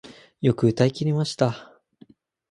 よく歌い切りました